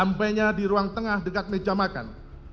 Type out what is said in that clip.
sampainya di ruang tengah dekat meja makan